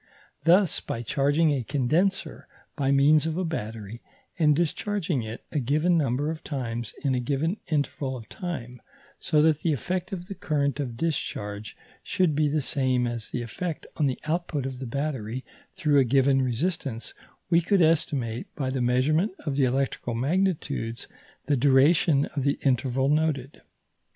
Thus, by charging a condenser by means of a battery, and discharging it a given number of times in a given interval of time, so that the effect of the current of discharge should be the same as the effect of the output of the battery through a given resistance, we could estimate, by the measurement of the electrical magnitudes, the duration of the interval noted.